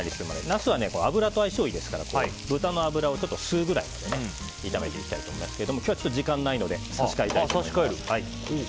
ナスは油と相性いいですから豚の脂を吸うぐらい炒めていきたいと思いますが今日は時間がないので差し替えたいと思います。